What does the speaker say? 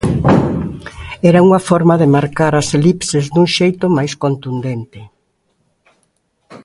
Era unha forma de marcar as elipses dun xeito máis contundente.